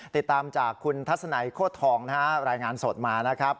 ติดตามจากคุณทัศนัยโคตรทองนะฮะรายงานสดมานะครับ